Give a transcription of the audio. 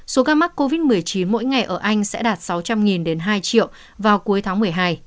số ca mắc covid một mươi chín mỗi ngày ở anh sẽ đạt sáu trăm linh đến hai triệu vào cuối tháng một mươi hai